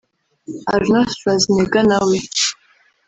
Arnold Schwarzenegger nawe